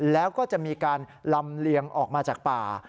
แล้วก็จะมีการลำเลียงออกมาจากป่า